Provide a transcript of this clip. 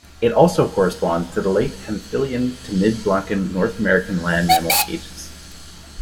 It also corresponds to the late Hemphillian to mid-Blancan North American Land Mammal Ages.